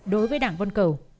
đối với đảng vân cầu